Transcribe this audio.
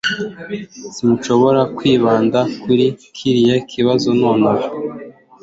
Sinshobora kwibanda kuri kiriya kibazo nonaha